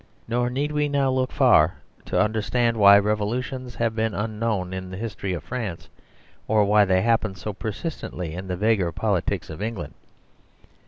Nor need we now look far to understand why revolutions have been unknown in the history of France ; .or why they happen so persistently in the vaguer politics of England.